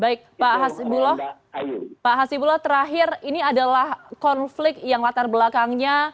baik pak hasibulo terakhir ini adalah konflik yang latar belakangnya